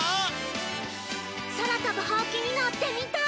空飛ぶほうきに乗ってみたい！